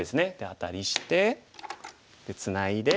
アタリしてツナいで。